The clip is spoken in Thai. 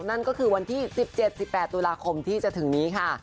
นั่นก็คือวันที่๑๗๑๘ตุลาคมที่จะถึงนี้ค่ะ